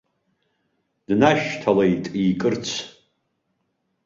Днашьҭалеит икырц.